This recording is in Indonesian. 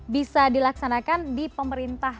bisa dilaksanakan di pemerintah